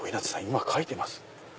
今描いてます。